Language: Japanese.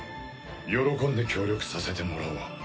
喜んで協力させてもらおう。